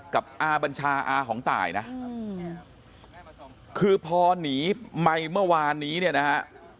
กับอาบัญชาอาของตายนะคือพอหนีไปเมื่อวานนี้เนี่ยนะฮะ